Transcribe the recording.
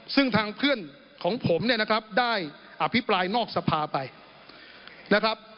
ซึ่งทางเพื่อนของผมเนี่ยนะครับได้อภิปรายนอกสภาไปนะครับ